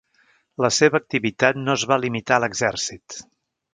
La seva activitat no es va limitar a l'exèrcit.